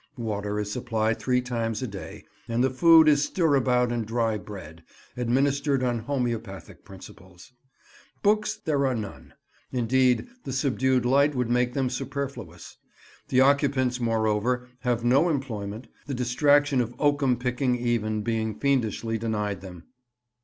Water is supplied three times a day, and the food is stirabout and dry bread, administered on homoeopathic principles. Books there are none—indeed, the subdued light would make them superfluous; the occupants, moreover, have no employment, the distraction of oakum picking even being fiendishly denied them.